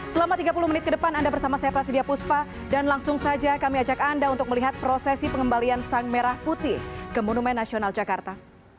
selama tiga puluh menit ke depan anda bersama saya prasidya puspa dan langsung saja kami ajak anda untuk melihat prosesi pengembalian sang merah putih ke monumen nasional jakarta